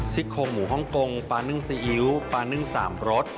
โคงหมูฮ่องกงปลานึ่งซีอิ๊วปลานึ่ง๓รส